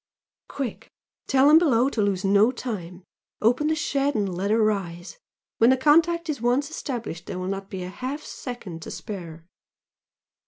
"Quick! Tell them below to lose no time! Open the shed and let her rise! when the contact is once established there will not be half a second to spare!"